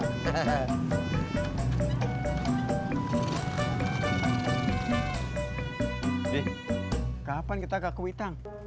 kapan kita ke kuitang